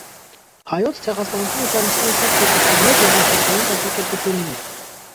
Հայոց ցեղասպանությունը ճանաչել են շատ պետություններ և միջազգային կազմակերպություններ։